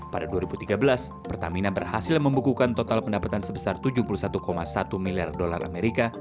pada dua ribu tiga belas pertamina berhasil membukukan total pendapatan sebesar tujuh puluh satu satu miliar dolar amerika